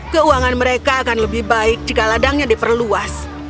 keuangan mereka akan lebih baik jika ladangnya diperluas